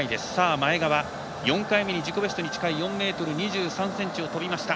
前川、４回目に自己ベストに近い４ｍ２３ｃｍを跳びました。